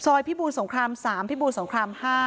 พิบูรสงคราม๓พิบูรสงคราม๕